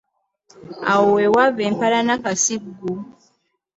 Awo we waava empalana kasiggu.